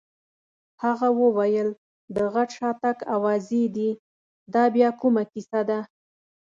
هغه وویل: د غټ شاتګ اوازې دي، دا بیا کومه کیسه ده؟